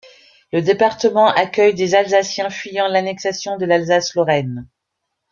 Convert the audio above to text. Le département accueil des alsaciens fuyant l’annexion de l’Alsace-Lorraine.